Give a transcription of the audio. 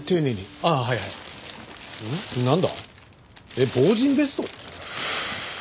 えっ防刃ベスト？